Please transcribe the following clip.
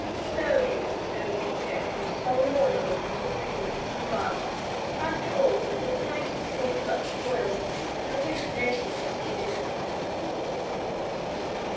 So ended Snowy Peter; and his sole mourner was little Susan, who remarked, "After all, he was nice before he got spoiled, and I wish Nursey had seen him."